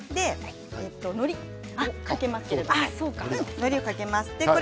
のりをかけます。